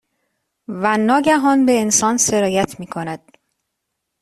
و ناگهان، به انسان سرایت میکند